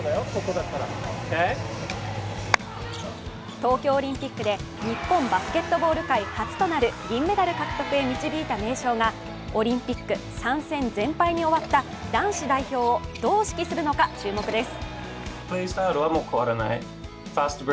東京オリンピックで日本バスケットボール界初となる銀メダル獲得へ導いた名将がオリンピック３戦全敗に終わった男子代表をどう指揮するのか注目です。